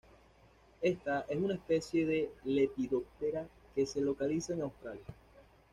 Esta es una especie de Lepidoptera que se localiza en Australia.